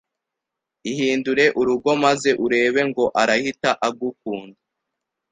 Ihindure urugo maze urebe ngo arahita agukunda.